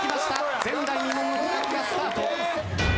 前代未聞の企画がスタート。